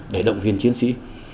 để động viên chiến sĩ